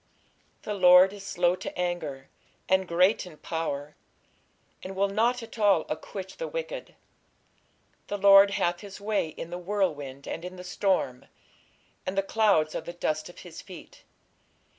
The Lord is slow to anger, and great in power, and will not at all acquit the wicked: the Lord hath his way in the whirlwind and in the storm, and the clouds are the dust of his feet.